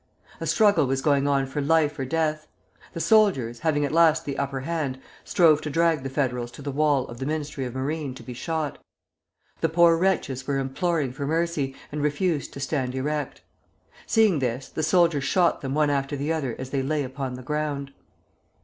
A struggle was going on for life or death. The soldiers, having at last the upper hand, strove to drag the Federals to the wall of the Ministry of Marine to be shot. The poor wretches were imploring for mercy, and refused to stand erect. Seeing this, the soldiers shot them one after the other as they lay upon the ground.